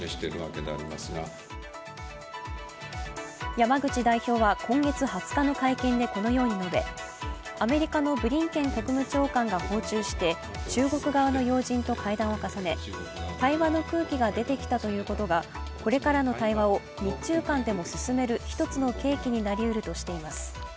山口代表は今月２０日の会見でこのように述べアメリカのブリンケン国務長官が訪中して中国側の要人と会談を重ね対話の空気が出てきたということが、これからの対話を日中間でも進める１つの契機になりうるとしています。